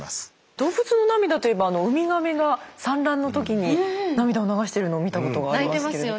動物の涙といえばウミガメが産卵の時に涙を流してるのを見たことがありますけれど。